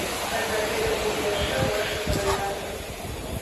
Аднак гэта будзе яшчэ горшым варыянтам.